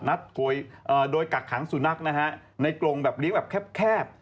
นัดโกยโดยกักขังสุนัขในกลงเลี้ยงแคบ